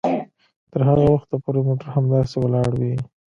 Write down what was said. تر هغه وخته پورې موټر همداسې ولاړ وي